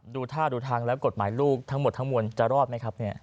ดูท่าดูทางแล้วกฎหมายลูกทั้งหมดทั้งมวลจะรอดไหมครับเนี่ย